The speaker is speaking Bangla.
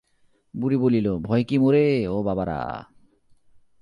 বুড়ি বলিল, ভয় কি মোরে, ও বাবারা?